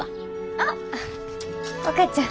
あっお母ちゃん。